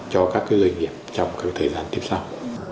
cho các doanh nghiệp trong thời gian tiếp sau